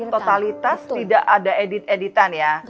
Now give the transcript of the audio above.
totalitas tidak ada edit editan ya